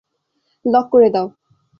Lock করে দাও।